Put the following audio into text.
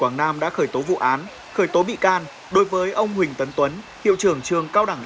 quảng nam đã khởi tố vụ án khởi tố bị can đối với ông huỳnh tấn tuấn hiệu trưởng trường cao đẳng